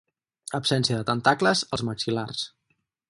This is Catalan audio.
Absència de tentacles als maxil·lars.